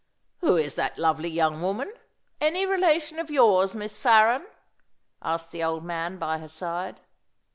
"Who is that lovely young woman? Any relation of yours, Miss Farren?" asked the old man by her side.